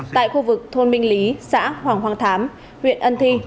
tại khu vực thôn minh lý xã hoàng hoang thám huyện ân thi